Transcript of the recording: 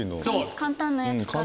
簡単なやつから。